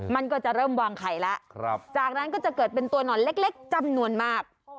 มันก็จะเริ่มวางไข่แล้วจากนั้นก็จะเกิดเป็นตัวหนอนเล็กจำนวนมาก